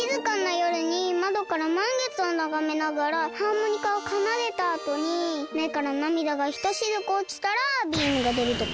よるにまどからまんげつをながめながらハーモニカをかなでたあとにめからなみだがひとしずくおちたらビームがでるとか？